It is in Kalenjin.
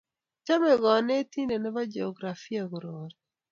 Chomei konetinte ne bo Geographia kurori.